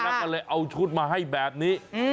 ใช่นักกาลเลยเอาชุดมาให้แบบนี้อืม